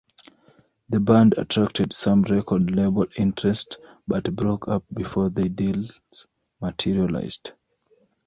The band attracted some record label interest, but broke up before any deals materialized.